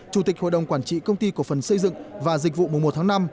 chủ tịch hội đồng quản trị công ty cổ phần xây dựng và dịch vụ mùa một tháng năm